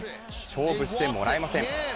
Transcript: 勝負してもらえません。